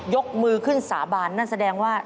ยกมือขึ้นสาบานนั่นแสดงว่า